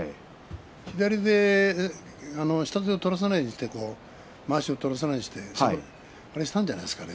左で下手を取らせないようにしてまわしを取らせないようにしてあれしたんじゃないですかね。